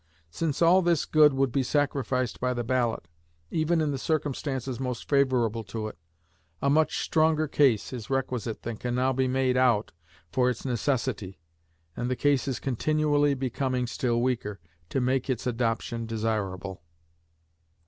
Since all this good would be sacrificed by the ballot, even in the circumstances most favorable to it, a much stronger case is requisite than can now be made out for its necessity (and the case is continually becoming still weaker) to make its adoption desirable."